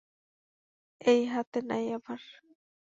এইহাতে নাই আবার।